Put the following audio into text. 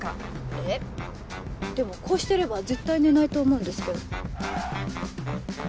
えっでもこうしてれば絶対寝ないと思うんですけど。